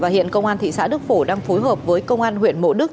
hiện công an thị xã đức phổ đang phối hợp với công an huyện mộ đức